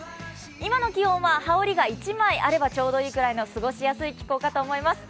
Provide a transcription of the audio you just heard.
今の気温は羽織が１枚あればちょうどいいぐらいの、過ごしやすい気候かと思います。